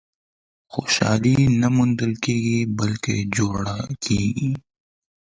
• خوشالي نه موندل کېږي، بلکې جوړه کېږي.